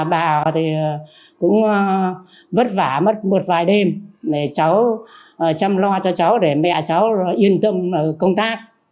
bà thì cũng vất vả mất một vài đêm để cháu chăm lo cho cháu để mẹ cháu yên tâm công tác